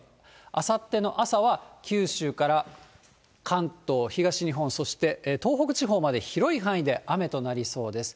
あさっての朝は九州から関東、東日本、そして東北地方まで広い範囲で雨となりそうです。